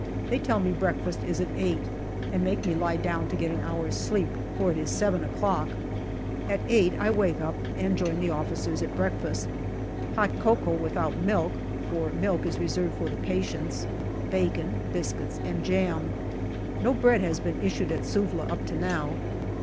They tell me breakfast is at eight, and make me lie down to get an hour's sleep, for it is seven o'clock. At eight I wake up and join the officers at breakfast. Hot cocoa, without milk, for milk is reserved for the patients ; bacon, biscuits, and jam. No bread has been issued at Suvla up to now.